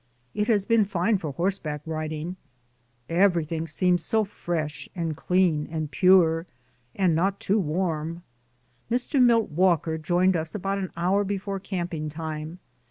It has been fine for horseback rid ing, everything seems so fresh and clean and pure, and not too warm. Mr. Milt Walker joined us about an hour before camping time.